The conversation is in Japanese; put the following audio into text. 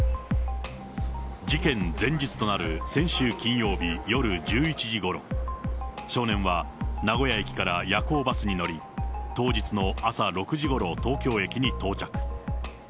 事件前日となる先週金曜日夜１１時ごろ、少年は名古屋駅から夜行バスに乗り、当日の朝６時ごろ東京駅に到着。